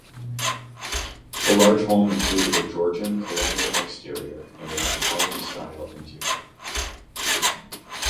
The large home included a Georgian Colonial exterior and an Italian-style interior.